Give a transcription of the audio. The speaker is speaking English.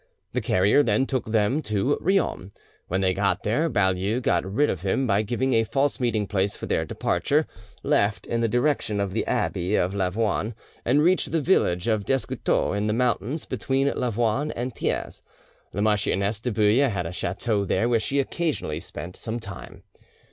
The carrier then took them to Riom. When they got there, Baulieu got rid of him by giving a false meeting place for their departure; left in the direction of the abbey of Lavoine, and reached the village of Descoutoux, in the mountains, between Lavoine and Thiers. The Marchioness de Bouille had a chateau there where she occasionally spent some time.